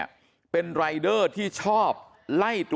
มันต้องการมาหาเรื่องมันจะมาแทงนะ